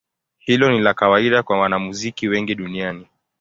Hilo ni la kawaida kwa wanamuziki wengi duniani.